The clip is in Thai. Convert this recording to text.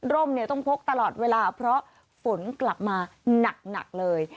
ร่มเนี่ยต้องพกตลอดเวลาเพราะฝนกลับมาหนักหนักเลย